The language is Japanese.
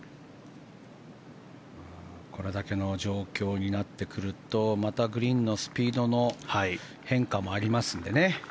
これだけの状況になってくるとまたグリーンのスピードの変化もありますしね。